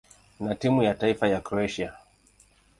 na timu ya taifa ya Kroatia.